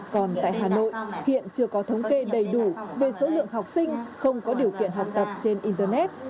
còn tại hà nội hiện chưa có thống kê đầy đủ về số lượng học sinh không có điều kiện học tập trên internet